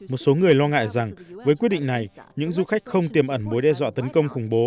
một số người lo ngại rằng với quyết định này những du khách không tiềm ẩn mối đe dọa tấn công khủng bố